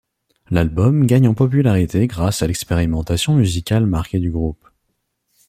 L'album gagne en popularité grâce à l'expérimentation musicale marquée du groupe.